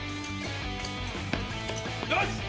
よし！